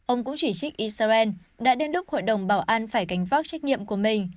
ông cũng chỉ trích israel đã đến lúc hội đồng bảo an phải gánh vác trách nhiệm của mình